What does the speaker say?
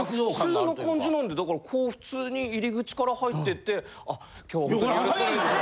普通の感じなんでだからこう普通に入口から入っていってあ今日もよろしく。